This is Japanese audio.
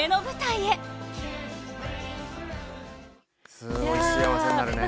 すごい幸せになるね。